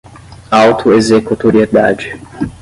auto-executoriedade